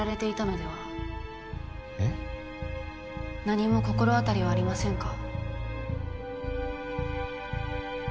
何も心当たりはありませんか？